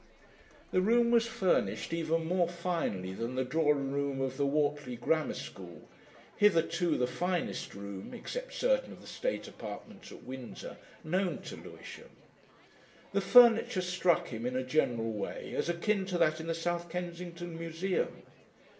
The room was furnished even more finely than the drawing room of the Whortley Grammar School, hitherto the finest room (except certain of the State Apartments at Windsor) known to Lewisham. The furniture struck him in a general way as akin to that in the South Kensington Museum.